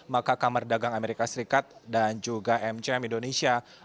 maka kamar dagang amerika serikat dan juga mcm indonesia